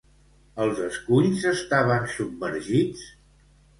Els esculls estaven submergits?